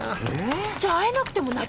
じゃあ会えなくても泣き寝入り？